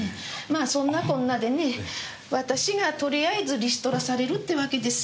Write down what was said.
まあそんなこんなでね私がとりあえずリストラされるってわけです。